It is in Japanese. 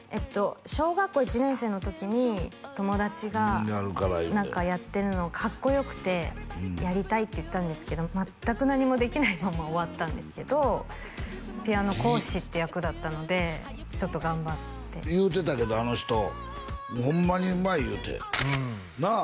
小学校１年生の時に友達が何かやってるのがかっこよくて「やりたい」って言ったんですけど全く何もできないまま終わったんですけどピアノ講師って役だったのでちょっと頑張って言うてたけどあの人「ホンマにうまい」いうてなあ？